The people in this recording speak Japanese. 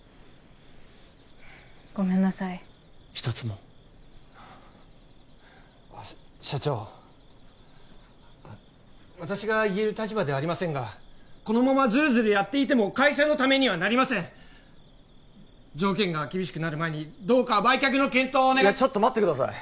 ごめんなさい一つも社長私が言える立場ではありませんがこのままズルズルやっていても会社のためにはなりません条件が厳しくなる前にどうか売却の検討をお願いちょっと待ってください